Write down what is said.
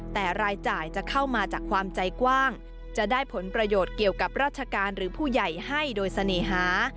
แต่รายจ่ายจะเข้ามาจากความใจกว้างจะได้ผลประโยชน์เกี่ยวกับราชการหรือผู้ใหญ่ให้โดยเสน่หา